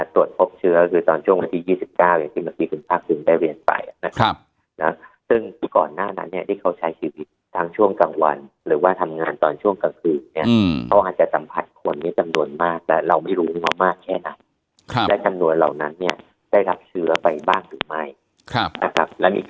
ตอนช่วงวันที่ยี่สิบเก้าอย่างที่เมื่อกี้คืนภาคคืนได้เรียนไปนะครับนะซึ่งที่ก่อนหน้านั้นเนี้ยที่เขาใช้ชีวิตทั้งช่วงกลางวันหรือว่าทำงานตอนช่วงกลางคืนเนี้ยอืมเขาอาจจะตำผักคนในจำนวนมากแต่เราไม่รู้ว่ามากแค่นั้นครับและจำนวนเหล่านั้นเนี้ยได้รับเชื้อไปบ้างหรือไม่ครับนะครับแล้วมีก